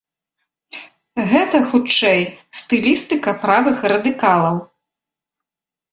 Гэта, хутчэй, стылістыка правых радыкалаў.